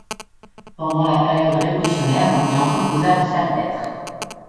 Pendant la période révolutionnaire, on y entreposa du salpêtre.